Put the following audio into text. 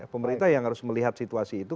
pemerintah yang harus melihat situasi itu